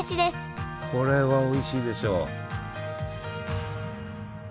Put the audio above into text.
これはおいしいでしょう。